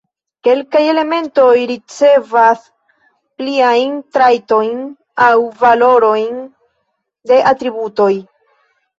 Kelkaj elementoj ricevas pliajn trajtojn aŭ valorojn de atributoj.